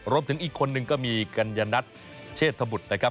รวมถึงอีกคนนึงก็มีกัญญนัทเชษฐบุตรนะครับ